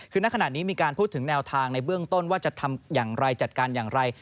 คือนักขณะนี้มีการพูดถึงแนวทางในเบื้องต้นว่าจะทำอย่างไรจัดการอย่างไร